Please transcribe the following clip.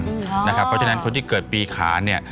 เพราะฉะนั้นคนที่เกิดปีขานเนี่ย